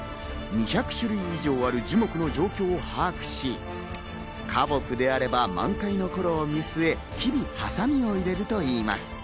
２００種類以上ある樹木の状況を把握し、花木であれば、満開の頃を見据え、ハサミを入れるとしています。